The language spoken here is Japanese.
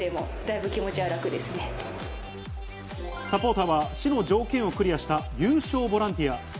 サポーターは市の条件をクリアした有償ボランティア。